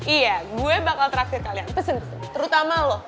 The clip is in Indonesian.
iya gue bakal traktir kalian pesen terutama lo